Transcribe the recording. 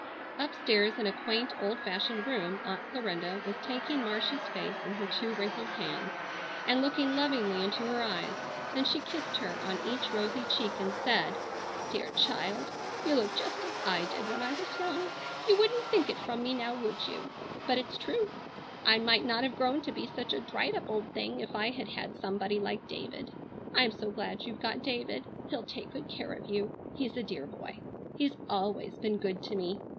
Upstairs in a quaint old fashioned room Aunt Clarinda was taking Marcia's face in her two wrinkled hands and looking lovingly into her eyes; then she kissed her on each rosy cheek and said: "Dear child! You look just as I did when I was young. You wouldn't think it from me now, would you? But it's true. I might not have grown to be such a dried up old thing if I had had somebody like David. I'm so glad you've got David. He'll take good care of you. He's a dear boy. He's always been good to me.